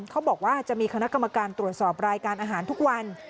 เขาบอกว่าจะมีคณะกรรมการตรวจสอบรายการอาหารทุกวัน